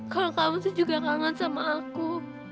kalau kamu sih juga kangen sama aku